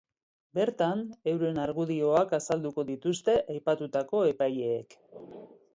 Bertan, euren argudioak azalduko dituzte aipatu epaileek.